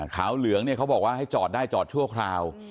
เหลืองเนี่ยเขาบอกว่าให้จอดได้จอดชั่วคราว